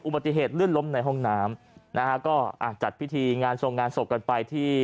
ปฏิเหตุลื่นล้มในห้องน้ำนะฮะก็อ่ะจัดพิธีงานทรงงานศพกันไปที่